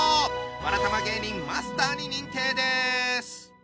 わらたま芸人マスターに認定です！